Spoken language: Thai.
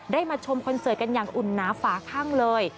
มาชมคอนเสิร์ตกันอย่างอุ่นหนาฝาข้างเลย